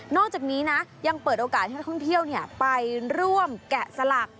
จากนี้นะยังเปิดโอกาสให้นักท่องเที่ยวไปร่วมแกะสลัก